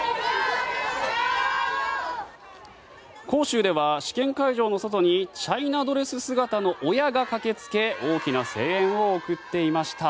広州では試験会場の外にチャイナドレス姿の親が駆け付け大きな声援を送っていました。